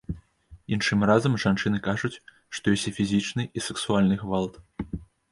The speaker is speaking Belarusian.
Іншым разам жанчыны кажуць, што ёсць і фізічны, і сексуальны гвалт.